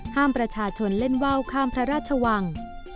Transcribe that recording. ห้ามประชาชนเล่นว่าวข้ามพระราชวัง